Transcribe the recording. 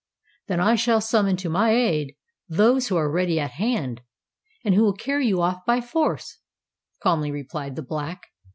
"Then I shall summon to my aid those who are ready at hand, and who will carry you off by force," calmly replied the Black.